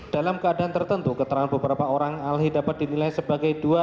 dalam keadaan tertentu keterangan beberapa orang ahli dapat dinilai sebagai dua